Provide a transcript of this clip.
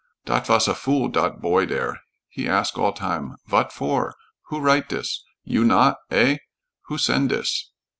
"Dot vas a fool, dot boy dere. He ask all tam, 'Vot for? Who write dis? You not? Eh? Who sen' dis?'